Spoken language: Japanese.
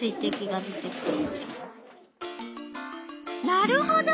なるほど。